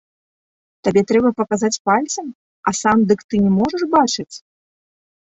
Табе трэба паказаць пальцам, а сам дык ты не можаш бачыць?